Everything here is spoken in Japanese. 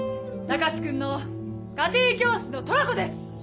高志君の家庭教師のトラコです！